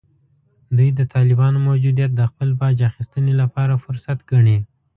دوی د طالبانو موجودیت د خپل باج اخیستنې لپاره فرصت ګڼي